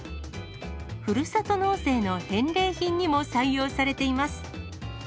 ふるさと納税の返礼品にも採用されています。